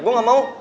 gue gak mau